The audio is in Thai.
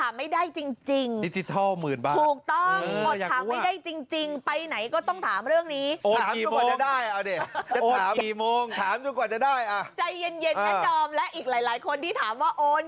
คุณผู้ชมครับคุณผู้ชมครับคุณผู้ชมครับ